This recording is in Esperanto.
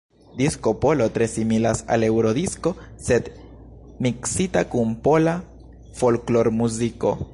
Disko polo tre similas al Eurodisko sed miksita kun pola folklormuziko.